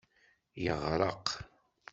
Yeɣreq.